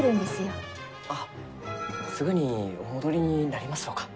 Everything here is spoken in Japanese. あっすぐにお戻りになりますろうか？